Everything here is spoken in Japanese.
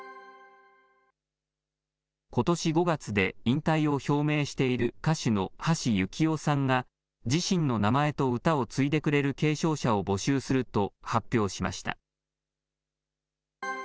ことし５月で引退を表明している歌手の橋幸夫さんが、自身の名前と歌を継いでくれる継承者を募集すると発表しました。